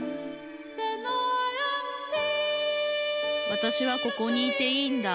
わたしはここにいていいんだ